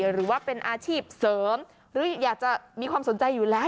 หรือว่าเป็นอาชีพเสริมหรืออยากจะมีความสนใจอยู่แล้ว